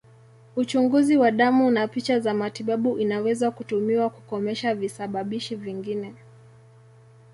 Uchunguzi wa damu na picha ya matibabu inaweza kutumiwa kukomesha visababishi vingine.